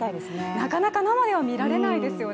なかなか生では見られないですよね。